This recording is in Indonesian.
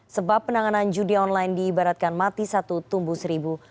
sebab penanganan judi online diibaratkan mati satu tumbuh seribu